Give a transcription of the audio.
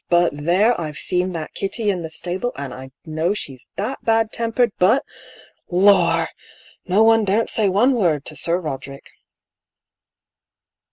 But there, I've seen that Kitty in the stable, and I know she's that bad tempered — but, lor! no one daren't say one word to Sir Roderick."